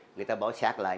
người ta bỏ sát lại